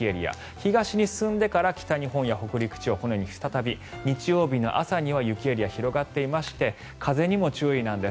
東に進んでから北日本や北陸地方はこのように再び、日曜の朝には雪エリア、広がっていまして風にも注意なんです。